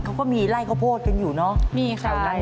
เขาก็มีไล่ข้าวโพดกันอยู่เนอะ